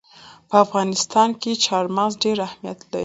په افغانستان کې چار مغز ډېر اهمیت لري.